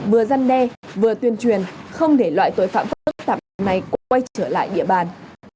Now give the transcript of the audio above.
vừa giăn đe vừa tuyên truyền không để loại tội phạm phức tạp này quay trở lại địa bàn